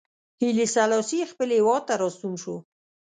هیلي سلاسي خپل هېواد ته راستون شو.